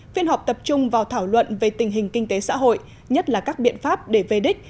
phiên họp tập trung vào thảo luận về tình hình kinh tế xã hội nhất là các biện pháp để về đích